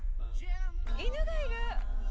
犬がいる。